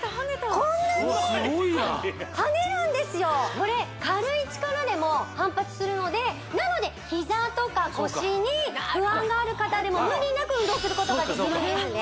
こんなにはねるんですよこれ軽い力でも反発するのでなので膝とか腰に不安がある方でも無理なく運動することができるんですね